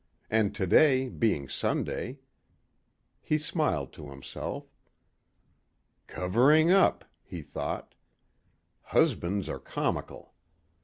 And today being Sunday.... He smiled to himself. "Covering up," he thought. "Husbands are comical."